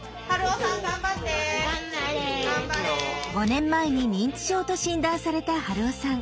５年前に認知症と診断された春雄さん。